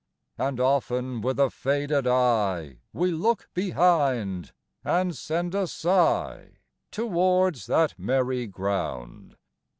And often with a faded eye We look behind, and send a sigh Towards that merry ground!